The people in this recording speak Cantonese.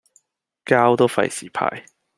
膠都費事派